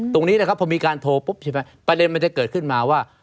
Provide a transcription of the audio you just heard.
ตรงนี้นะครับพอมีการโทรปุ๊บใช่ไหมประเด็นมันจะเกิดขึ้นมาว่า